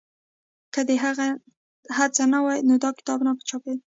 که د هغه هڅه نه وای نو دا کتاب نه چاپېده.